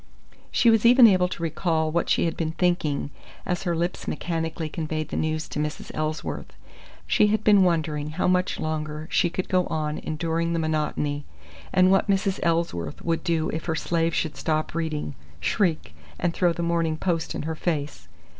She was even able to recall what she had been thinking, as her lips mechanically conveyed the news to Mrs. Ellsworth. She had been wondering how much longer she could go on enduring the monotony, and what Mrs. Ellsworth would do if her slave should stop reading, shriek, and throw the Morning Post in her face.